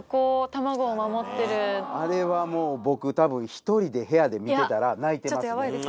あれはもう僕たぶん１人で部屋で見てたら泣いてます。